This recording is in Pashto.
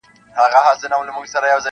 • قاسم یاره دوی لقب د اِبهام راوړ,